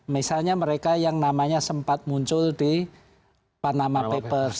misalnya mereka yang namanya sempat muncul di panama papers